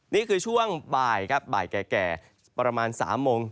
นี่คือช่วงบ่ายแก่ประมาณ๓โมง